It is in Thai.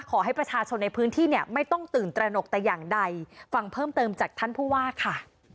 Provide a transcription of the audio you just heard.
ขอให้ประชาชนในพื้นที่เนี่ยไม่ต้องตื่นตระหนกแต่อย่างใดฟังเพิ่มเติมจากท่านผู้ว่าค่ะ